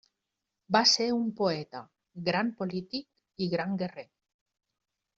Va ser un poeta, gran polític i gran guerrer.